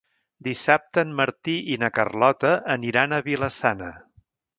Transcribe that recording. Dissabte en Martí i na Carlota aniran a Vila-sana.